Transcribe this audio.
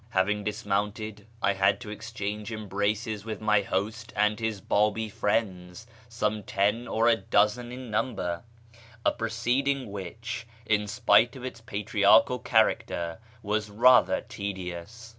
Having dismounted, I had to exchange embraces with my host and his Babi friends (some ten or a dozen in number), a proceeding which, in spite of its patriarchial character, was rather tedious.